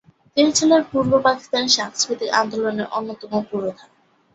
তিনি ছিলেন পূর্ব পাকিস্তানের সাংস্কৃতিক আন্দোলনের অন্যতম পুরোধা।